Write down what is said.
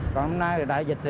còn hôm nay đại dịch